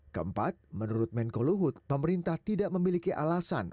keempat menurut menko luhut pemerintah tidak memiliki alasan